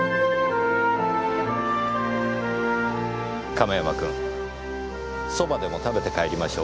亀山君蕎麦でも食べて帰りましょうか。